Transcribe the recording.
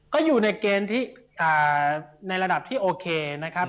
ก็อยู่ในเกณฑ์ที่ในระดับที่โอเคนะครับ